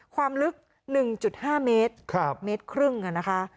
ความลึก๑๕เมตรเมตรครึ่งนะคะ